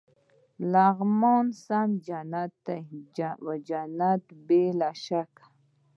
لغمان سم جنت و، جنت بې له شکه.